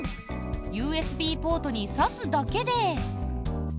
ＵＳＢポートに挿すだけで。